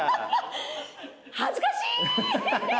恥ずかしい！